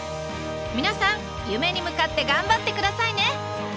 皆さん夢に向かって頑張ってくださいね。